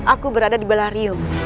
aku berada di belah rio